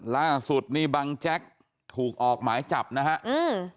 ล่าสุดนี่บังแจ๊กถูกออกหมายจับนะฮะอืม